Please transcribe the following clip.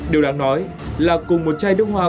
điều đáng nói là cùng một chai nước hoa